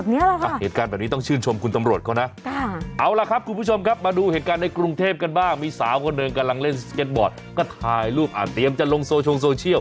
มีสาวคนหนึ่งกำลังเล่นสเก็ตบอร์ดก็ถ่ายรูปอ่านเตรียมจะลงโซเชียล